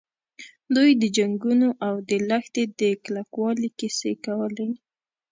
دوی د جنګونو او د لښتې د کلکوالي کیسې کولې.